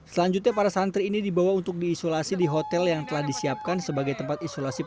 selanjutnya para santri ini dibawa untuk diisolasi di hotel yang telah disiapkan sebagai tempat isolasi